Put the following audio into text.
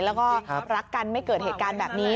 แล้วก็รักกันไม่เกิดเหตุการณ์แบบนี้